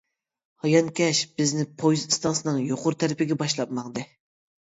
ھايانكەش بىزنى پويىز ئىستانسىسىنىڭ يۇقىرى تەرىپىگە باشلاپ ماڭدى.